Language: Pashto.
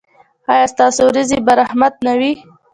ایا ستاسو ورېځې به رحمت نه وي؟